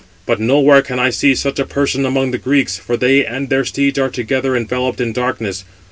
But nowhere can I see such a person among the Greeks, for they and their steeds are together enveloped in darkness.